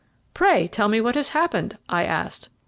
"Pray tell me what has happened," I asked.